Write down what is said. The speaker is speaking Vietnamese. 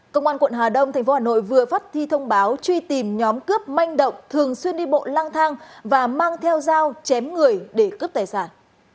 công an quận hà đông tp hà nội vừa phát thi thông báo truy tìm nhóm cướp manh động thường xuyên đi bộ lang thang và mang theo dao chém người để cướp tài sản